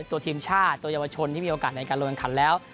ตัวทีมชาติตัวเยาวชนที่มีโอกาสในการลงแข่งขันแล้ว